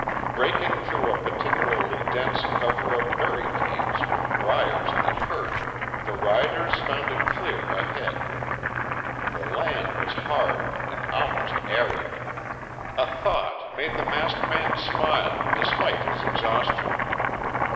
Breaking through a particularly dense cover of berry canes with briars that hurt, the riders found it clear ahead. The land was hard and almost arid. A thought made the masked man smile despite his exhaustion.